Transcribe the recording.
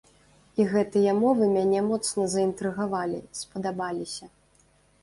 І гэтыя мовы мяне моцна заінтрыгавалі, спадабаліся.